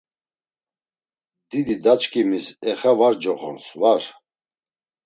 Didi daçkimis Exa var coxons var.